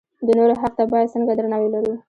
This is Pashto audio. د نورو حق ته باید څنګه درناوی ولرو.